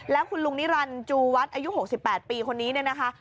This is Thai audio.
แล้วคุณลุงนิรันดิจูวัดอายุ๖๘ปีคนนี้เนี่ยนะคะ